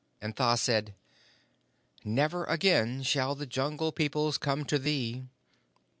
"And Tha said: 'Never again shall the Jungle Peoples come to thee.